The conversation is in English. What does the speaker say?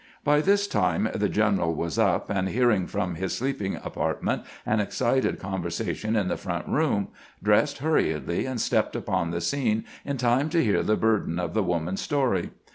By this time the general was up, and hearing from his sleeping apartment an excited conversation in the front room, dressed hurriedly, and stepped upon the scene in time to hear the burden of the woman's story.